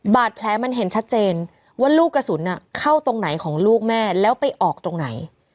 บาดแผลมันเห็นชัดเจนว่าลูกกระสุนเข้าตรงไหนของลูกแม่แล้วไปออกตรงไหน